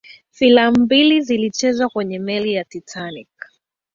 filamu mbili zilichezwa kwenye meli ya titanic